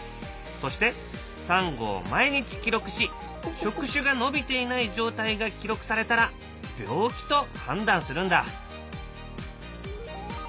そしてサンゴを毎日記録し触手が伸びていない状態が記録されたら病気と判断するんだ。